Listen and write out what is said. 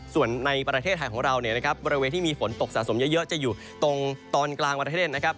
ส่วนในประเทศไทยของเราเนี่ยนะครับบริเวณที่มีฝนตกสะสมเยอะจะอยู่ตรงตอนกลางประเทศนะครับ